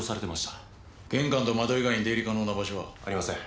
玄関と窓以外に出入り可能な場所は？ありません。